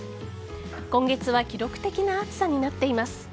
今月は記録的な暑さになっています。